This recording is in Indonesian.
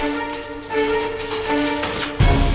aku akan menjaga dia